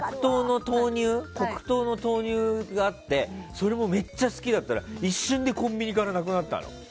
黒糖の豆乳があってそれもめっちゃ好きだったら一瞬でコンビニからなくなったの。